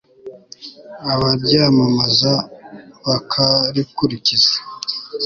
abaryamamaza; bakarikurikiza